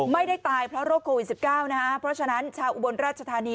ไม่ได้ตายเพราะโรคโควิด๑๙นะฮะเพราะฉะนั้นชาวอุบลราชธานี